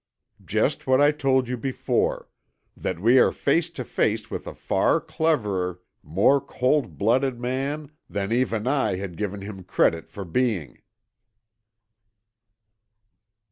"Just what I told you before, that we are face to face with a far cleverer, more cold blooded man than even I had given him credit for being!"